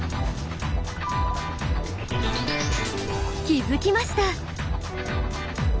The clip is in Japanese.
気付きました。